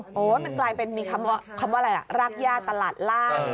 มันกลายเป็นมีคำว่าอะไรรากย่าตลาดล่าง